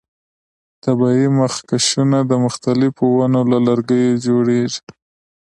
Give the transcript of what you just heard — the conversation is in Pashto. طبیعي مخکشونه د مختلفو ونو له لرګیو جوړیږي.